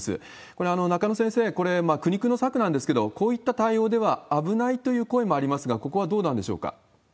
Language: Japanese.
これ、中野先生、これは苦肉の策なんですけれども、こういった対応では危ないという声もありますが、ここはどうなんでしょうか。